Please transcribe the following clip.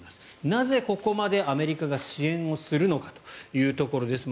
なぜ、ここまでアメリカが支援をするのかというところです。